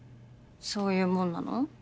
そういうもんなの？